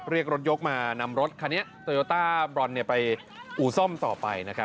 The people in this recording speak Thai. เรียกรถยกมานำรถคันนี้โตโยต้าบรอนไปอู่ซ่อมต่อไป